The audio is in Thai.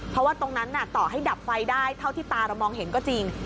เพราะว่าตรงนั้นต่อให้ดับไฟได้เท่าที่ตาเรามองเห็นก็จริง